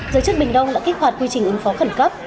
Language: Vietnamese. giới chức bình đông đã kích hoạt quy trình ứng phó khẩn cấp